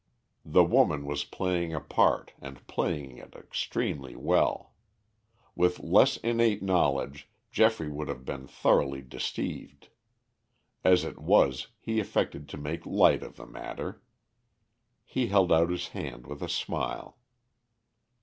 The woman was playing a part and playing it extremely well. With less innate knowledge, Geoffrey would have been thoroughly deceived. As it was, he affected to make light of the matter. He held out his hand with a smile.